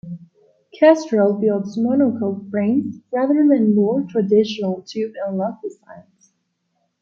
Kestrel builds monocoque frames rather than more traditional tube and lug designs.